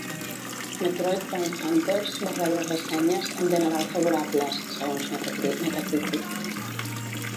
"Metroid Prime Hunters" va rebre ressenyes "en general favorables", segons Metacritic.